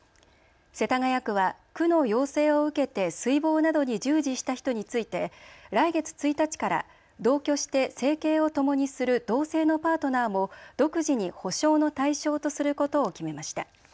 世田谷区は区の要請を受けて水防などに従事した人について来月１日から同居して生計をともにする同性のパートナーも独自に補償の対象とすることを決めました。